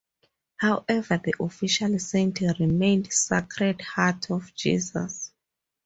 However the official saint remained "Sacred Heart of Jesus".